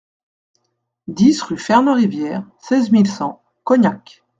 dix rue Fernand Rivière, seize mille cent Cognac